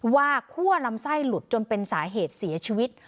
คั่วลำไส้หลุดจนเป็นสาเหตุเสียชีวิต